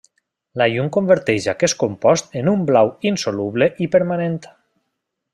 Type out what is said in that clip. La llum converteix aquest compost en un blau insoluble i permanent.